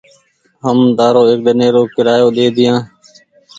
هم تآرو ايڪ ۮن ني رو ڪيرآيو ڏيديا۔